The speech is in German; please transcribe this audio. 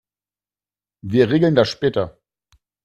Wir regeln das später.